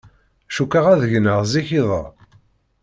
Cukkeɣ ad gneɣ zik iḍ-a.